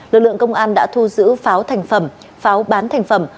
lực lượng công an đã thu giữ pháo thành phẩm pháo bán thành phẩm